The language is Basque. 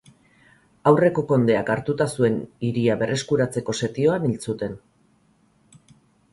Aurreko kondeak hartua zuen hiria berreskuratzeko setioan hil zuten.